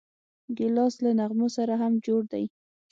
ګیلاس له نغمو سره هم جوړ دی.